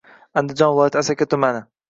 Andijon viloyati Asaka tumani;